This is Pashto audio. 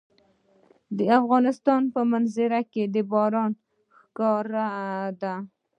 د افغانستان په منظره کې باران ښکاره ده.